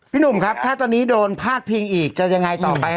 หนุ่มครับถ้าตอนนี้โดนพาดพิงอีกจะยังไงต่อไป